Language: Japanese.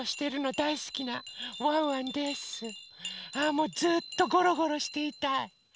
もうずっとゴロゴロしていたい。